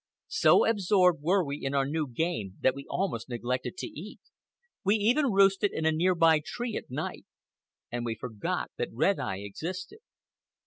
So absorbed were we in our new game that we almost neglected to eat. We even roosted in a nearby tree at night. And we forgot that Red Eye existed.